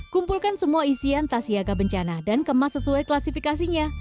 kumpulkan semua isian tas siaga bencana dan kemas sesuai klasifikasinya